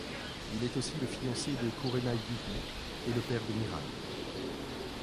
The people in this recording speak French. Il est aussi le fiancé de Kurenaï Yûhi et le père de Miraï.